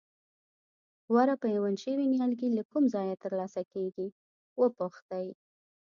غوره پیوند شوي نیالګي له کوم ځایه ترلاسه کېږي وپوښتئ.